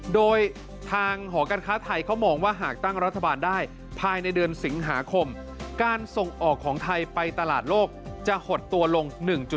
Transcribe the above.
โดยทางหอการค้าไทยเขามองว่าหากตั้งรัฐบาลได้ภายในเดือนสิงหาคมการส่งออกของไทยไปตลาดโลกจะหดตัวลง๑๕